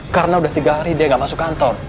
karena sudah tiga hari dia tidak masuk kantor